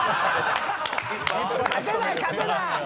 勝てない勝てない！